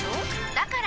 だから！